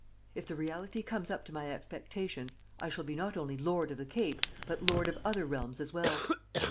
If the reality comes up to my expectations, I shall be not only Lord of the Cape, but lord of other realms as well.